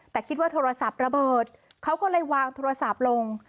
แต่คิดว่าโทรศัพท์ระเบิดเขาก็เลยวางโทรศัพท์ลง